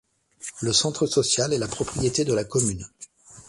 Le centre social est la propriété de la commune.